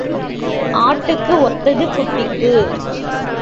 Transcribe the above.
ஆட்டுக்கு ஒத்தது குட்டிக்கு.